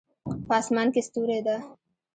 په اسمان کې ستوری ده